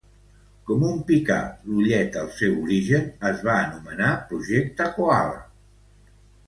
Com un picar l'ullet al seu origen, es va anomenar "Projecte Koala".